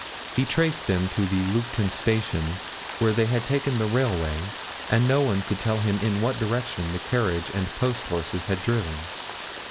He traced them to the Lugton Station, where they had taken the railway, and no one could tell him in what direction the carriage and posthorses had driven.